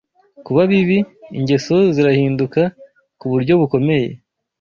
kuba bibi; ingeso zirahinduka ku buryo bukomeye,